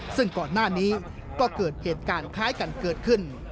ซึ่งก่อนหน้านี้ก็เกิดเหตุการณ์คล้ายกันเกิดขึ้น